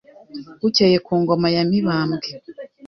bukeye ku ngoma ya Mibambwe